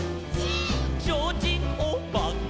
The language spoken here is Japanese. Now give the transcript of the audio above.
「ちょうちんおばけ」「」